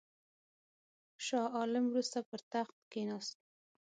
شاه عالم وروسته پر تخت کښېنست.